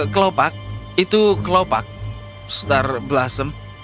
kelopak itu kelopak star blossom